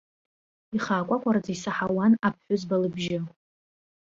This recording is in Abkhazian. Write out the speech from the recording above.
Ихаакәакәараӡа исаҳауан аԥҳәызба лыбжьы.